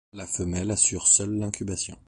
La femelle assure seule l’incubation.